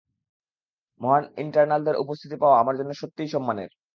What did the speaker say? মহান ইটার্নালদের উপস্থিতি পাওয়া আমার জন্য সত্যিই সম্মানের।